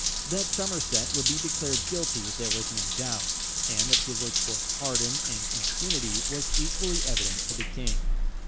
That Somerset would be declared guilty there was no doubt, and that he looked for pardon and impunity was equally evident to the king.